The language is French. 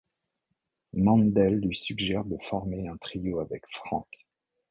Mandel lui suggère de former un trio avec Frank.